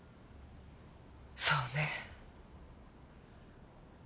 そうね。